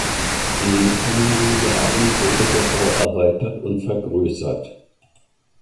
In den kommenden Jahren wurde der Bau erweitert und vergrößert.